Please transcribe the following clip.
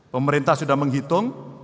pemerintah sudah menghitung